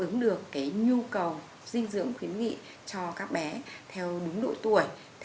đúng được cái nhu cầu dinh dưỡng khuyến nghị cho các bé theo đúng độ tuổi